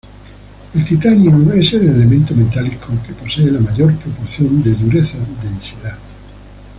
El titanio es el elemento metálico que posee la mayor proporción de dureza-densidad.